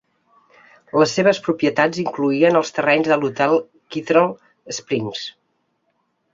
Les seves propietats incloïen els terrenys de l'hotel Kittrell Springs.